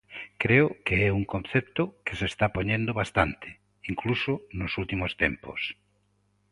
Creo que é un concepto que se está poñendo bastante, incluso nos últimos tempos.